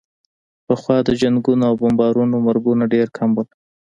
پخوا د جنګونو او بمبارونو مرګونه ډېر کم وو.